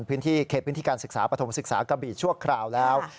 พิธีเขตพิธีการศึกษาปฐมศึกษากระบิช่วงคราวแล้ว